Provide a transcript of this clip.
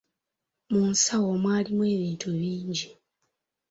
Munsawo mwalimu ebintu bingi.